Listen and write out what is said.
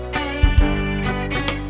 delapan satu komandan